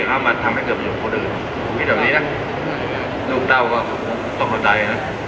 ฮมันทำให้เกือบอยู่พวกอื่นรูปตัวก็ต้องก่อนใด